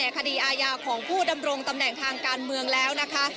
คดีอาญาของผู้ดำรงตำแหน่งทางการเมืองแล้วนะคะ